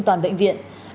tổng vệ sinh toàn bộ